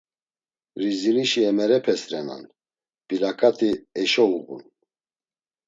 Rizinişi emerepes renan, p̆ilak̆ati eşo uğun.